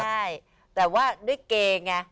ใช่แต่ว่าด้วยเกย์ไง